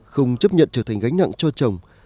không chấp nhận trở thành gánh nặng cho chồng